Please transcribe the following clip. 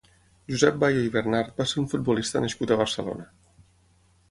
Josep Bayo i Bernad va ser un futbolista nascut a Barcelona.